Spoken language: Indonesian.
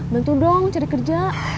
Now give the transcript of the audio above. bantu dong cari kerja